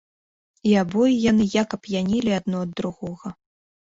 І абое яны як ап'янелі адно ад другога.